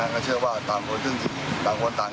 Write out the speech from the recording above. ก็เชื่อว่าตามโหลนต่างดีเลยกัน